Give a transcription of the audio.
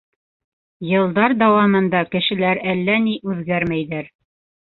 Йылдар дауамында кешеләр әллә ни үҙгәрмәйҙәр.